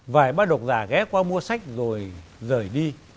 vài ba độc giả ghé qua mua sách rồi rời đi